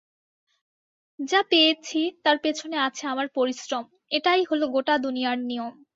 যা পেয়েছি তার পেছনে আছে আমার পরিশ্রম, এটাই হলো গোটা দুনিয়ার নিয়ম।